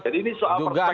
kalau juga tentang calon